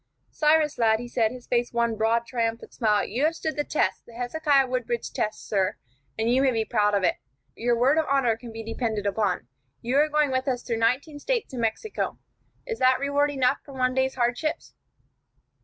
"Cyrus, lad," he said, his face one broad, triumphant smile, "you have stood the test, the Hezekiah Woodbridge test, sir, and you may be proud of it. Your word of honor can be depended upon. You are going with us through nineteen States and Mexico. Is that reward enough for one day's hardships?"